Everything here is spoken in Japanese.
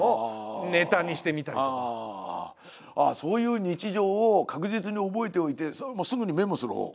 そういう日常を確実に覚えておいてそれすぐにメモするほう？